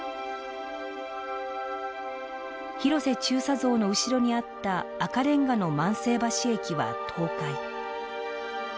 広瀬中佐像の後ろにあった赤レンガの万世橋駅は倒壊。